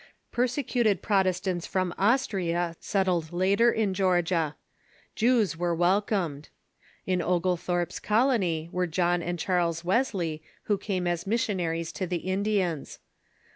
Persecuted Prot estants from Austria settled later in Georgia. Jews were wel comed. In Oglethorpe's colony were John and Charles Wes THE ENGLISH COLOXIZATION 449 ley, who carae as missionaries to the Indians.